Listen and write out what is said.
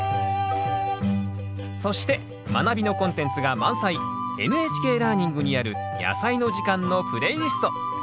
そして「まなび」のコンテンツが満載「ＮＨＫラーニング」にある「やさいの時間」のプレイリスト。